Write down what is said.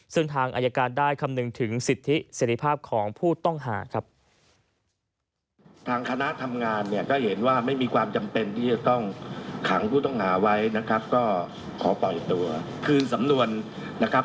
ซึ่งทางอายการได้คำนึงถึงสิทธิเสร็จภาพของผู้ต้องหาครับ